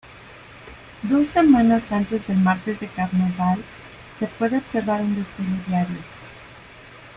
Dos semanas antes del Martes de Carnaval, se puede observar un desfile diario.